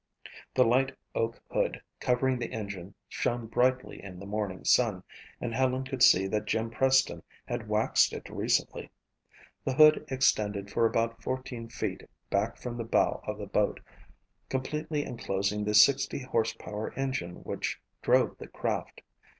The light oak hood covering the engine shone brightly in the morning sun and Helen could see that Jim Preston had waxed it recently. The hood extended for about fourteen feet back from the bow of the boat, completely enclosing the 60 horsepower engine which drove the craft.